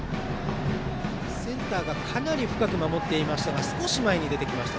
センターがかなり深く守っていましたが少し前に出てきました。